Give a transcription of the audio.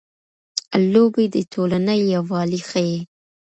لوبې د ټولنې یووالی ښيي.